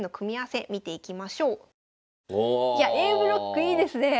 さあ続いてＡブロックいいですねえ！